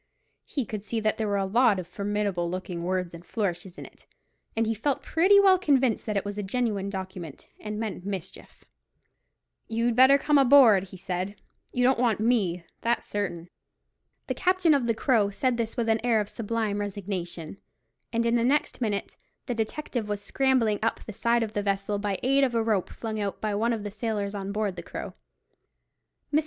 He could see that there were a lot of formidable looking words and flourishes in it, and he felt pretty well convinced that it was a genuine document, and meant mischief. "You'd better come aboard," he said; "you don't want me; that's certain." The captain of the Crow said this with an air of sublime resignation; and in the next minute the detective was scrambling up the side of the vessel, by the aid of a rope flung out by one of the sailors on board the Crow. Mr.